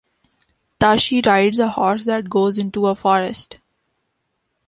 Tashi rides a horse that goes into a forest.